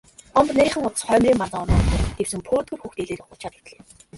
Гомбо нарийхан гудас хоймрын банзан орны урдуур дэвсэн пөөдгөр хөх дээлээрээ хучаад хэвтлээ.